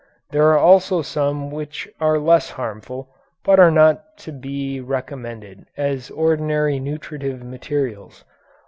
There are also some which are less harmful, but are not to be recommended as ordinary nutritive materials.